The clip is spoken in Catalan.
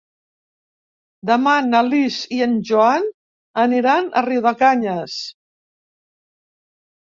Demà na Lis i en Joan aniran a Riudecanyes.